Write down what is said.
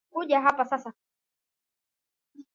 Kuja hapa sasa hivi